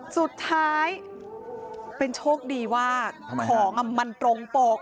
สุดท้ายเป็นโชคดีว่าของมันตรงปก